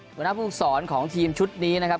หัวหน้าภูมิสอนของทีมชุดนี้นะครับ